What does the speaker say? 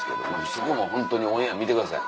そこもホントにオンエア見てください。